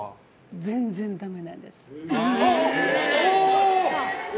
全然ダメなんです。